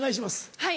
はい